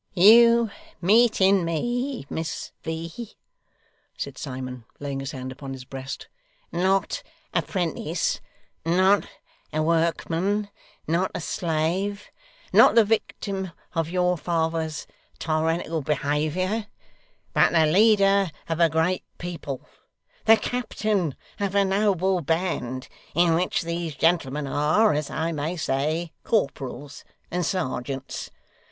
'You meet in me, Miss V.,' said Simon, laying his hand upon his breast, 'not a 'prentice, not a workman, not a slave, not the wictim of your father's tyrannical behaviour, but the leader of a great people, the captain of a noble band, in which these gentlemen are, as I may say, corporals and serjeants.